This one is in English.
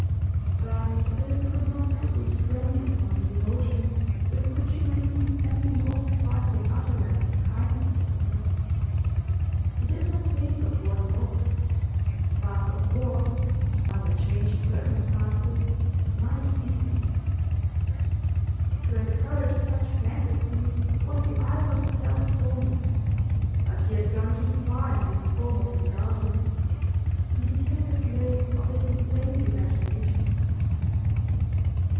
But this could not put restraint upon the emotion with which he received any most trifling utterance of kindness from her. He did not think of what was, but of what, under changed circumstances, might be. To encourage such fantasy was the idlest self torment, but he had gone too far in this form of indulgence. He became the slave of his inflamed imagination.